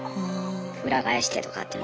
裏返してとかって。